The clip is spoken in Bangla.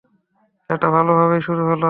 এটা ভালোভাবেই শুরু হলো।